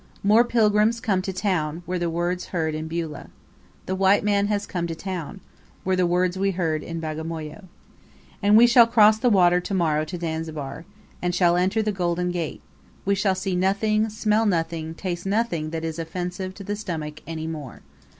"More pilgrims come to town," were the words heard in Beulah. "The white man has come to town," were the words we heard in Bagamoyo. And we shall cross the water tomorrow to Zanzibar, and shall enter the golden gate; we shall see nothing, smell nothing, taste nothing that is offensive to the stomach any more!